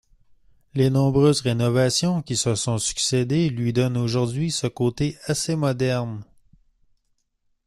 Les nombreuses rénovations qui se sont succédé lui donnent aujourd'hui ce côté assez moderne.